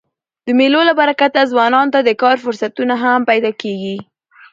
د مېلو له برکته ځوانانو ته د کار فرصتونه هم پیدا کېږي.